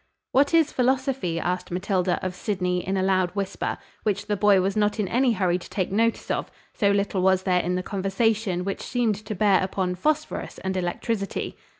"What is philosophy?" asked Matilda of Sydney in a loud whisper, which the boy was not in any hurry to take notice of, so little was there in the conversation which seemed to bear upon phosphorus and electricity.